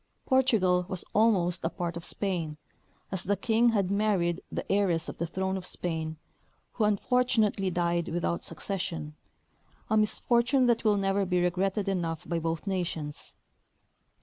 Por tugal was almost a part of Spain, as the King had married the heiress of the throne of Spain, who unfortunately died without succession — a misfortune that will never be regretted enough by both nations.